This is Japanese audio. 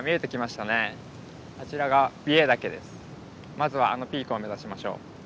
まずはあのピークを目指しましょう。